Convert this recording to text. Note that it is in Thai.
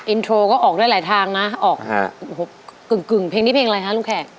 อินโทรก็ออกได้หลายทางนะออกรุ่นกึ่งเรื่องนี้เพียงอะไรครับลูกแขก